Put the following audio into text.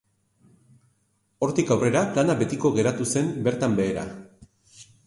Hortik aurrera plana betiko geratu zen bertan behera.